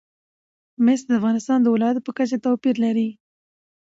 مس د افغانستان د ولایاتو په کچه توپیر لري.